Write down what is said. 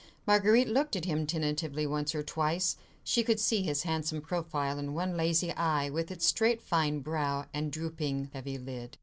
Marguerite looked at him tentatively once or twice; she could see his handsome profile, and one lazy eye, with its straight fine brow and drooping heavy lid.